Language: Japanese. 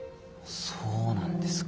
そうなんですか。